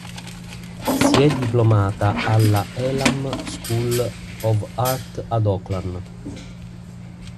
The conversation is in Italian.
Si è diplomata alla Elam School of Art ad Auckland.